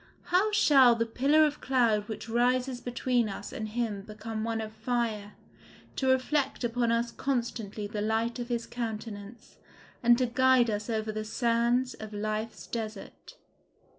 How shall the pillar of cloud which rises between us and him become one of fire, to reflect upon us constantly the light of his countenance, and to guide us over the sands of life's desert?